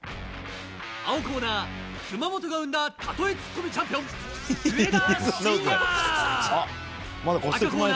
青コーナー、熊本が生んだたとえツッコミチャンピオン上田晋也！